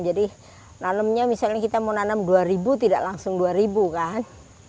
jadi nanamnya misalnya kita mau nanam dua ribu tidak langsung dua ribu kan